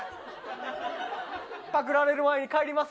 パクられる前に帰ります。